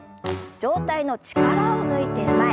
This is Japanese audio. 上体の力を抜いて前。